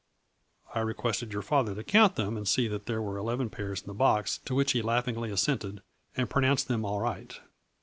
I requested your father to count them and see that there were eleven pairs in the box, to which he laughingly assented, and pronounced them all right.